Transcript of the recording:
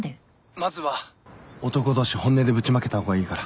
まずは男同士本音でぶちまけた方がいいから。